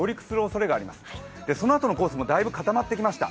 そのあとのコースもだいぶ固まってきました。